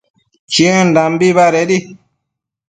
Chiendambi badedi